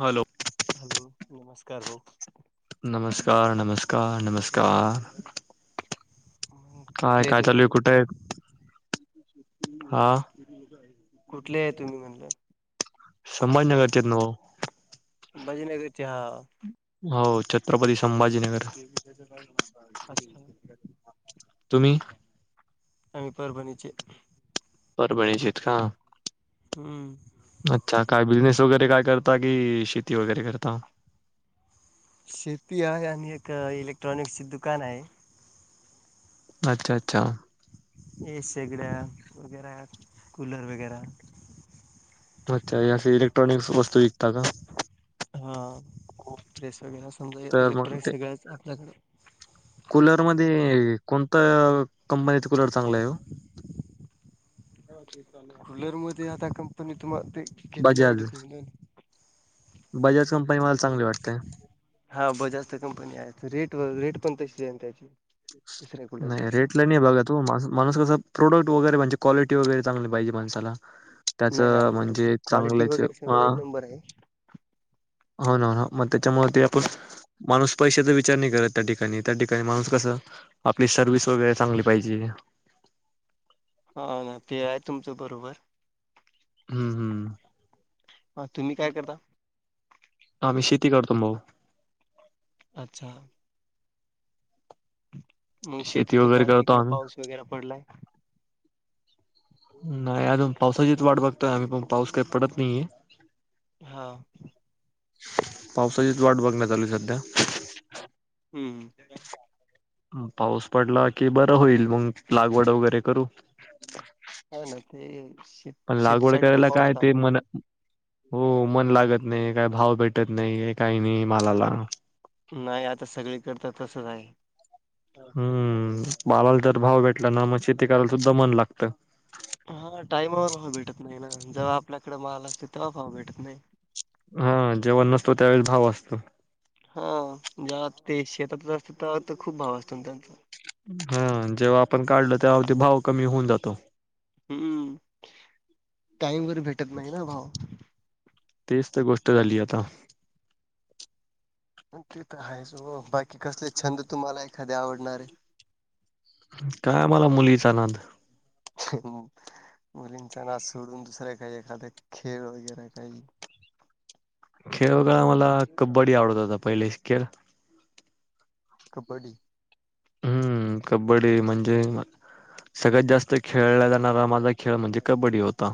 Hello. Hello नमस्कार भाऊ. नमस्कार नमस्कार नमस्कार. काय कुठले काय तुम्ही चालू आहे कुठे आहे? हा. कुठले आहे तुम्ही म्हणलं? संभाजीनगरतचेत न ओ. संभाजीनगरचे हा. हो. छत्रपती संभाजीनगर. अच्छा. तुम्ही? आम्ही पर परभणीचे. परभणीचेत का? हम्म. अच्छा. काय बिझनेस वगैरे काय करता की शेती वगैरे करता? शेती आहे आणि एक इलेक्ट्रॉनिक ची दुकान आहे. अच्छा अच्छा. ये सेगड्या वगैर कूलर वगैरा. अच्छा. या असे इलेक्ट्रॉनिक् वस्तू विकत का. हा. प्रेस वगैरे समजा तर मग इलेक्ट्रॉनिक ते सगळच आपल्याकडे कूलर मध्ये कोणत कंपनीच कूलर चांगलाय ओ? अब. कुलरमध्ये आता कंपनी तुम्हाला ते घेतल्या बजाज आवड तुमला. बजाज कंपनी वा हा. बजाज जास्त कंपनी आहे रेट व रेट पण तशी आहे त्याची. दुसऱ्या नाही कुलरपेक्षा रेटला नाही बघा तू मा माणूस कस प्रोडक्ट वगैरे म्हणजे क्वालिट वगैरे चांगली पाहिजे माणसाला. नाही ना त्याचं आमच्याकडे म्हणजे क्वालिटी चांगलंच वगैरे सगळं अ एक नंबर आहे होन हो. मग त्याच्यामुळे ते आपण माणूस पैशाचा विचार नाही करत, त्या ठिकाणी त्या ठिकाणी माणूस कसा आपली सर्विस वगैरे चांगली पाहिजे. हा ना ते आहे तुमचं बरोबर. हम्म हम्म ह तुम्ही काय करता कती करतो भाऊ अच्छा मग शेती शेतीच वगैरे काय करतो तिकडं आम्ही पाऊस वगैरे पडलाय नाही अजून पावसाचीच वाट बघतोय आम्ही पण पाऊस काही पडत नाहीये हा पावसाचीच वाट बघण चालुय सध्या हम्म पाऊस पडला की बरं होईल मग लागवड वगैरे करू ह ना ते श पण लागवड शेतीसाठी तर करायला पाऊस काय ते लागतो. मन हो मन लागत नाही काही भाव भेटत नाही काही नाही मालाला नाही आता सगळी करता तसच आहे हम्म मालाला तर भाव भेटला ना मग शेती करायला सुद्धा मन लागत हा टाईमावर भाव भेटत नाही ना जेव्हा आपल्याकडे माल असतय हा जेव्हा नसतो त्यावेळेला असतो हा ज्या ते शेतातच असत त्या खूप भाव असतो त्यांचा हा जेव्हा आपण काढल तेव्हाती भाव कमी होऊन जातो हम्म टाईमवर भेटत नाही ना भाव तेच तर गोष्ट झाली आता नकी तर आहेच हो बाकी कसले छंद तुम्हाला एखादे आवडणारे काय आमला मुलीचा नांद मुलींचा ना सोडून दुसरे काही एखाद्या खेळ वगैरे काही खेळगळा मला कबड्डी आवडत होता पहिले खेळ कबड्डी हम्म कबड्डी म्हणजे सगळ्यात जास्त खेळला जाणारा माझा खेळ म्हणजे कबड्डी होता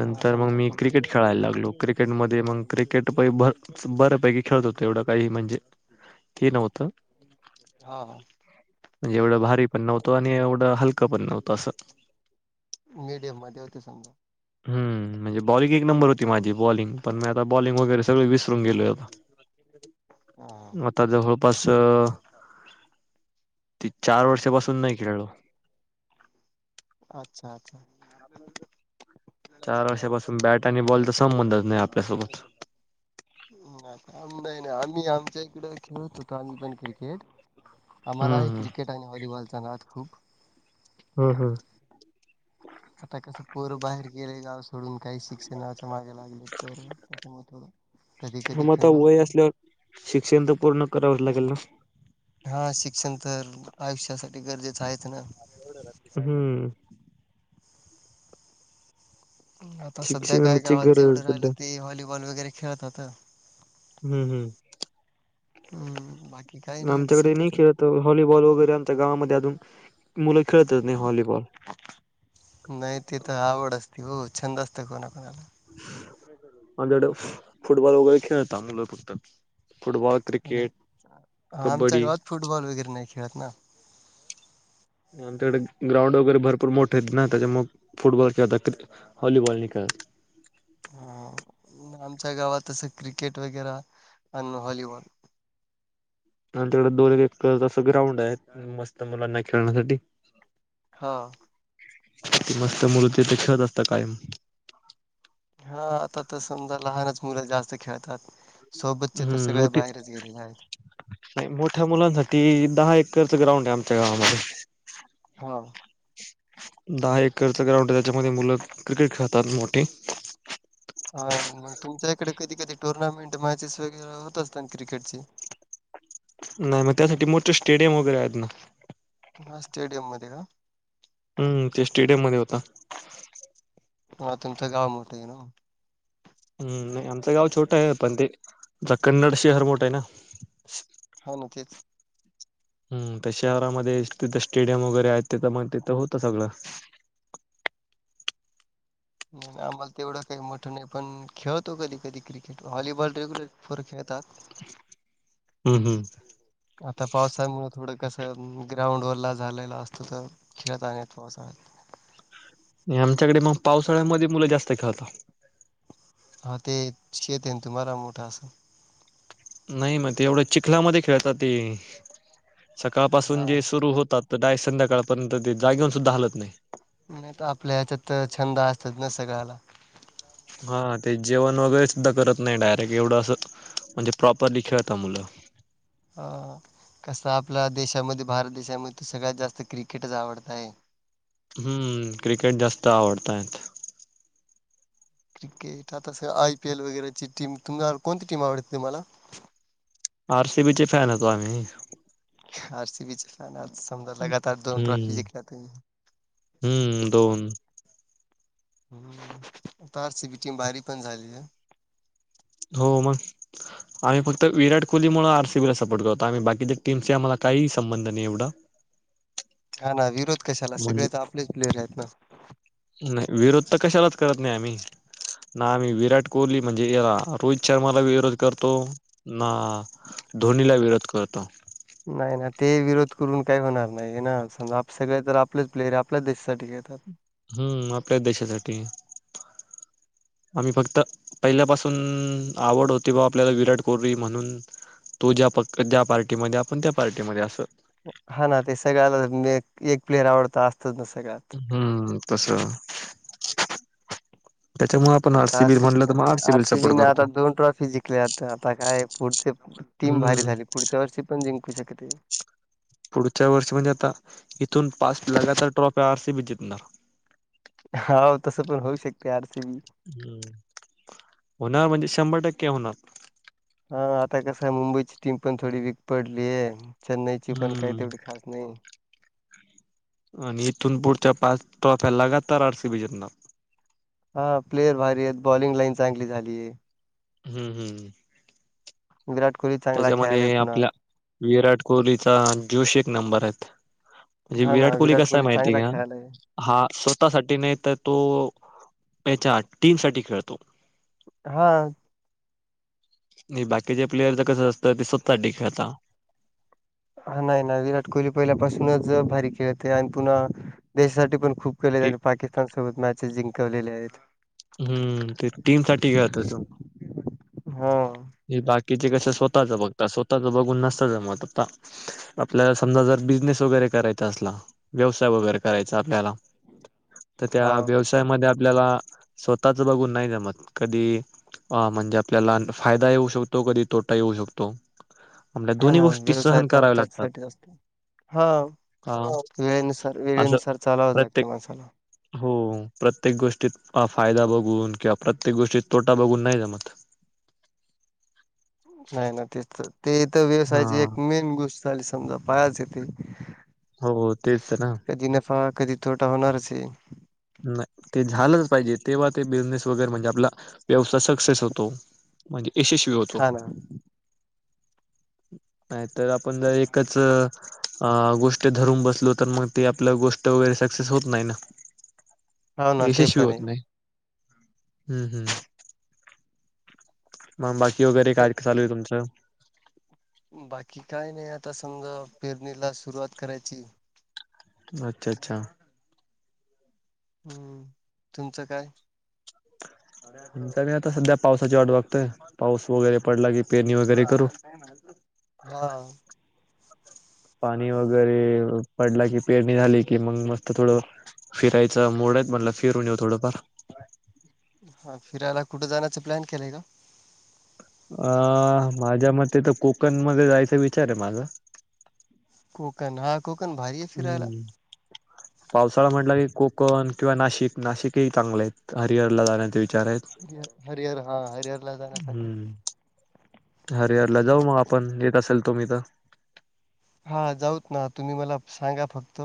हा नंतर मग समजा मी कबड्डी क्रिकेट खेळायला लागलो क्रिकेटमध्ये मग क्रिकेट बऱ्यापैकी खेळत होत एवढं काही म्हणजे ते नव्हतं हा म्हणजेवढं भ पण नत आणि एवढ हलकं पण नव्हत अस मीडियम मध्ये होते समजा हम्म म्हणजे बॉलिंग एक नंबर होती माझी बॉलिंग पण मी आता बॉलिंग वगैरे सगळ विसरून गेलो होतता हा आता ज जवळपास ती चार वर्षापासून नाही खेळलो अच्छा अच्छा चार वर्षापासून बॅट आणि बॉलचा संबंधच नाही आपल्यासोबत म नाही ना आम्ही आमच्या इकड खेळत होतो आम्ही पण क्रिकेट हं, आम्हाला हे हं. क्रिकेट आणि व्हॉलीबॉल चांगात खूप हम् हम् आता कसं पोरं बाहेर गेले गाव सोडून काही शिक्षणाच्या मागाला लागले तर त्यामुळे थोड कधी कधी खेळणवते शिक्षा हा शिक्षण तर आयुष्यासाठी गरजेच आहेत ना हम्म आता सध्या काय शिक्षणाची गावात गरज आहे जेवढं राहिल सध्या. ते व्हॉलीबॉल वगैरे खेळत होात हम्म हम्म हम्म बाकी काही आता आमच्याकडे सध्या नाही तर खेळत व्हॉलीबॉल वगैरे आमच्या गावामध्ये अजून मुलं खेळतच नाही व्हॉलीबॉल. नाही ते तर आवडस तीवऊ छंद असते कोणा कोणाला. [unintelligible] फुटबॉल वगैरे खेळत मुलं फक्त. फुटबॉल, आणि क्रिकेट, आमच्या कबड्डी गावात फुटबॉल वगैरे नाही खेळत ना. आमच्याकडे ग्राउंड वगैरे भरपूर मोठे आहेत ना त्याच्या मग फुटबॉल खेळतात व्हॉलीबॉल नि खेळत. [inaudible] अं, आमच्या गावात तसं क्रिकेट वगैर आणि व्हॉलीबॉल आणि तिकडे दोन एक त ग्राउंड आहे मस्त मुलांना खेळण्यासाठी हा त मस्त मुलं तीथे खेळत असत कायम. हा आता तर समजा लहानच मुलं जास्त खेळतात. सोबतचे तर हम्म सगळे मोठी बाहेरच गेलेले आहेत. मोठ्या मुलांसाठी दहा एकरच ग्राउंड आहे आमच्या गावामध्ये. हा. दहा एकरचा ग्राउंड आहे त्याच्यामध्ये मुलं क्रिकेट खेळतात मोठीे. हा मग तुमच्या इकडे कधी कधी टुर्नामेंट मॅचेस वगैरे होत असतात ना क्रिकेटची. नाही मग त्यासाठी मोठे स्टेडियम वगैरे आहेत ना. हा स्टेडियम मध्ये का? हम्म ते स्टेडियम मध्ये होता. हा तुमचं गाव मोठं आहे नवं. हम्म नाही आमचं गाव छोटं आहे पण ते आ कन्नड शहर मोठं आहे ना. हा ना तेच हम् ते शहरामध्ये तिथं स्टेडियम वगैरे आहेत तिथं मग तिथं होतं सगळं. [unintelligible] नाही आम्हाला तेवढं काही मोठं नाही पण खेळतो कधी कधी क्रिकेट व्हॉलीबॉल रेग्युलर पोर खेळ- तात. [unintelligible] हं हं आता पावसामुळ थोडं कस ग्राउंड ओला झालेला असतो तर खेळता नाय येत पावसाळ्यात. आमच्याकडे मग पावसाळ्यामध्ये मुलं जास्त खेळतात हा ते शेते न तुम्हाला मोठा अस नाही म ते एवढं चिखलामध्ये खेळतात ते, सकाळपासून हा जे सुरू होतात तर दाय संध्याकाळपर्यंत ते जागेऊन सुद्धा हलत नाही. नाही तर आपल्या ह्याच्यात छंद असतात ना सगळ्याला हा ते जेवण वगैरे सुद्धा करत नाही डायरेक्ट एवढं अस म्हणजे प्रॉपरली खेळता मुलं [unintelligible] हा कस आपल्या देशामध्ये भारत देशामध्ये सगळ्यात जास्त क्रिकेटच आवडत आहे. हम्म क्रिकेट जास्त आवडतायत. क्रिकेट आता स आयपीएल वगैरेची टीम तुम्हा कोणती टीम आवडते तुमाला आर सी बी चे फॅन होतो आम्ही आर सी बीचे फॅन आर सी समजा लगातार दोन ट्रॉफी हम्म जिंकल्या तुम्ही हम्म दोन हम्म आता आर सी बी टीम भारी पण झाली ना. हो मग आम्ही फक्त विराट कोहलीमुळे आर सी बीला सपोर्ट करतो, आम्ही बाकीच्या टीम्स आम्हाला. काही संबंध नाही एवढा हा ना विरोध कशाला म्हणजे सगळे तर आपलेच प्लेयर आहेत ना. नाही विरोध तर कशालाच करत नाही आम्ही ना आम्ही विराट कोहली म्हणजे हेला रोहित शर्माला विरोध करतो ना धोनीला विरोध करतो. नाही ना ते विरोध करून काही होणार नाही ना, समजा आप सगळे तर आपलेच प्लेयरेत आपल्याच देशासाठी खेळतात. हम्म आपल्याच देशासाठी आम्ही फक्त पहिल्यापासून आवड होती बा आपल्याला विराट कोहली म्हणून तो ज्या प ज्या पार्टीमध्ये आपण त्या पार्टीमध्ये असं. प्लेअर आवडता असतच ना सगळ्यात तसं त्याच्यामुळे आपण आर आता सी बी म्हणलं आरसीबी तर मग आर सी बी ला सपोर्ट करतो. तर आता काय पुढची टीम भारी हम्म झाली पुढच्या वर्षी पण जिंकू शकते. पुढच्या वर्षी म्हणजे आता इथून पाच लगातार ट्रॉफी आर सी बी च जितणार. हाव तस पण होऊ शकते. आर सी हम् होणार म्हणजे शंभर टक्के होणार. हा आता कस आहे मुंबईची टीम पण थोडी वीक पडलीय. चेन्नईची पण काही तेवढी हम्म खास नाही. आणि इथून पुढच्या पाच ट्रॉफ्या लगातार आर सी बी जितनार. हा प्लेयर भारी आहेत बॉलिंग लाईन चांगली झालीय. हम्म हम्म विराट कोहली चांगला खेळालाय पुन्हा. विराट कोहलीचा जोश एक नंबर आहेत. म्हणजे हा ना विराट कोहली कसा आहे माहितीय चांगला का, खेळालाय हा स्व स्ता साठी नाही तर तो त्याच्या टीम साठी खेळतो. हा नाही बाकीचे प्लेयर तर कस असतं ते स्वतासाठी खेळता. हा नाही नाही विराट कोहली पहिल्यापासूनच भारी खेळते आणि पुन्हा देशासाठी पण खूप केले ते आणि पाकिस्तान सोबत मॅचेस जिंकवलेले आहेत. हं, ते टीमसाठी खेळतो तो. हा. हे बाकीचे कस स्वतःच बघ स्वतःच बघून नसत ज मत आपल्याला समजा जर बिझनेस वगैरे करायचा असला व्यवसाय वगैरे करायचा आपल्याला तर त्या हा व्यवसायामध्ये आपल्याला स्वतःच बघून नाही जमत कधी म्हणजे आपल्याला फायदा येऊ शकतो कधी तोटा येऊ शकतो. आपल्या हा दोन्ही ना गोष्टी व्यवसाय सहन तर कराव्या लागतात. त्याचसाठीच असतो हा अ वेळेनुसार असं वेळेनुसार चालावंच लागते प्रत्येक मानसाला. हो प्रत्येक गोष्टीत फायदा बघून किंवा प्रत्येक गोष्टीत तोटा बघून नाही जमत. [inaudible] नाही ना तेच तर ते इथ हा व्यवसायाची एक मेन गोष्ट झाली समजा पायाच य तेे. हो हो तेच ना. कधी तोटा होणारच आहे. नाही. ते झालंच पाहिजे तेव्हा ते बिझनेस वगैरे म्हणजे आपला व्यवसाय सक्सेस होतो. म्हणजे यशस्वी होतो. हा ना [inaudible] नाही तर आपण जर एकच गोष्ट धरून बसलो तर मग ते आपल्या गोष्ट सक्सेस होत नाही ना. हो ना ते यशस्वी पण होत आहे. नाही. हम्म, हम्म. मग बाकी वगैरे इथ काय चालू आहे तुमचं? बाकी काय नाही आता समजा पेरणीला सुरुवात करायची. अच्छा अच्छा. हम्म तुमचं काय? आमचं काय आता सध्या पावसाची वाट बगतोय पाऊस वगैरे पडला की पेरणी वगैरे करू. हा. पाणी वगैरे पडला की पेरणी झाली की मग मस्त थोडं फिरायच मूड थ म्हट फिरून येऊ थोडंफार हा फिरायला कुठे जाण्याचा प्लॅन केलंय ग अं माझ्या मते तर कोकण मध्ये जायचा विचार आहे माझा कोकण हा कोकण भारी आहे फिरायला हम्म पावसाळा म्हटलं की कोकण किंवा नाशिक नाशिक हे चांगले आहेत हरिहरला जाण्या हरिर हरिहर हा हरिहर ला जाण्यासाठी अरे यारला जाऊ मग आपण येत असेल तो मी तर हा जाऊत ना तुम्ही मला सांगा फक्त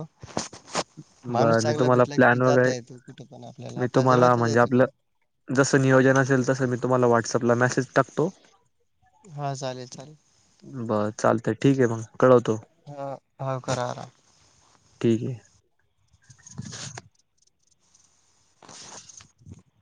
माणूस बरं मी चांगला तुम्हाला भेटला कि प्लॅन वगैरे जाता येतो कुठं पण आपल्याला मी आपल्या तुम्हाला जवळतच आहे म्हणजे तु आपलं मी जसं नियोजन असेल तसं मी तुम्हाला व्हॉट्सअपला मेसेज टाकतो हा चालेल चालेल बर चालतंय ठीक आहे मग कळवतो हा हा करा आराम. ठीक आहे [unintelligible]